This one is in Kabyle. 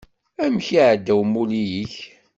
Amek iɛedda umulli-k?